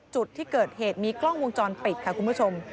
จุดที่เกิดเหตุมีกล้องวงจรปิดค่ะคุณผู้ชม